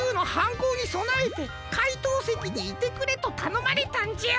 こうにそなえてかいとうせきにいてくれとたのまれたんじゃ。